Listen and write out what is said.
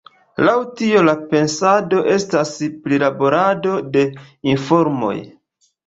Laŭ tio la pensado estas prilaborado de informoj.